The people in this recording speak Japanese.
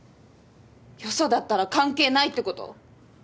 よそだったら関係ないってこと？